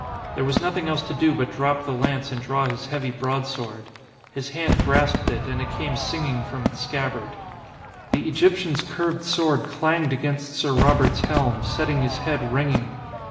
There was nothing else to do but drop the lance and draw his heavy broadsword. His hand grasped it, and it came singing from its scabbard. The Egyptian's curved sword clanged against Sir Robert's helm, setting his head ringing.